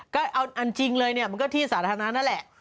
ก็อันจริงเลยไงเขาที่สาธารณานะแหละ